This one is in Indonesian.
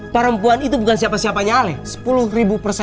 perempuan itu bukan siapa siapanya ale